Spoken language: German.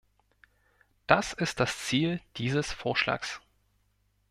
Das ist das Ziel dieses Vorschlags.